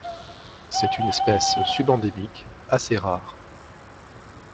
C'est une espèce subendémique, assez rare.